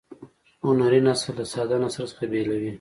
هنري نثر له ساده نثر څخه بیلوي.